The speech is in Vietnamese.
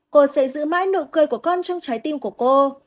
cô sẽ giữ mãi nụ cười của con trong trái tim của cô